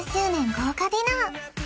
豪華ディナー